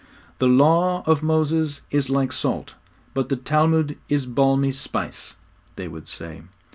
'The law of Moses is like salt, but the Talmud is balmy spice,' they would say.